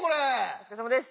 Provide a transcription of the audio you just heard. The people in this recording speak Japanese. お疲れさまです。